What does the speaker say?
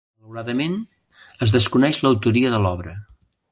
Malauradament, es desconeix l'autoria de l'obra.